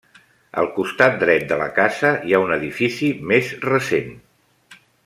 Al costat dret de la casa hi ha un edifici més recent.